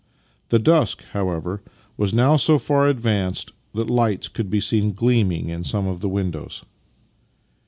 The dusk, however, was now so far ad vanced that lights could be seen gleaming in some of the windows.